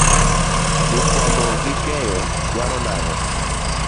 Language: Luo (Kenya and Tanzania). Jo fuambo gikeyo dwaro nang'o.